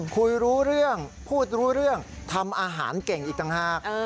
คุยรู้เรื่องพูดรู้เรื่องทำอาหารเก่งอีกต่างหาก